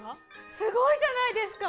すごいじゃないですか。